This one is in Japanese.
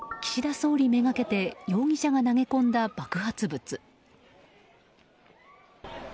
総理目がけて容疑者が投げ込んだ爆発物。